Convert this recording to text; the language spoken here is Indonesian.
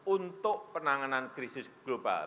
untuk penanganan krisis global